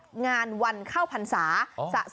ให้นักท่องเที่ยวได้สามารถขึ้นมากราบสการะขอพรพระพุทธสิรามณี